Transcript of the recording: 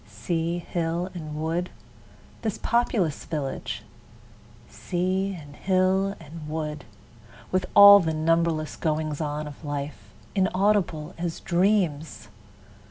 Sea, hill, and wood, This populous village! Sea, and hill, and wood, With all the numberless goings on of life, Inaudible as dreams!